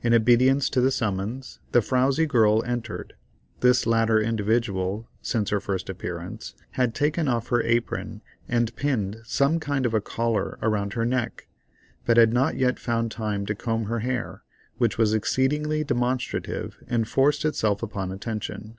In obedience to the summons, the frowzy girl entered; this latter individual, since her first appearance, had taken off her apron and pinned some kind of a collar around her neck, but had not yet found time to comb her hair, which was exceedingly demonstrative, and forced itself upon attention.